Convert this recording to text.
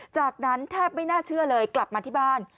จากนั้นแทบไม่น่าเชื่อเลยกลับมาที่บ้าน